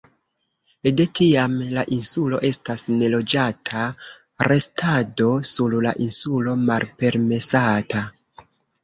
De tiam la insulo estas neloĝata, restado sur la insulo malpermesata.